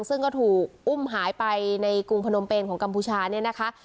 ซึ่งก็ถูกอุ้มหายไปในกรุงพนมเป็นของกัมพูชาเนี่ยนะคะ